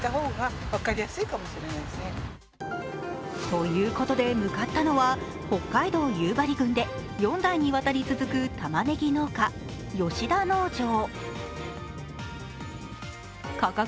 ということで向かったのは北海道夕張郡で４代にわたり続くたまねぎ農家吉田農場。